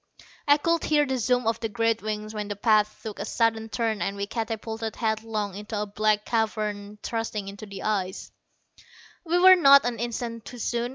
I could hear the zoom of the great wings when the path took a sudden turn and we catapulted headlong into a black cavern thrusting into the ice. We were not an instant too soon.